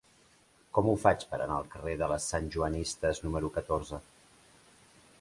Com ho faig per anar al carrer de les Santjoanistes número catorze?